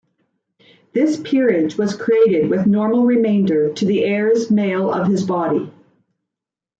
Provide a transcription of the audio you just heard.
This peerage was created with normal remainder to the heirs male of his body.